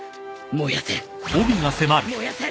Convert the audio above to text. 燃やせ！